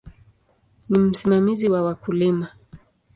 Ni msimamizi wa wakulima.